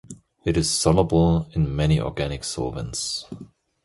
It is soluble in many organic solvents.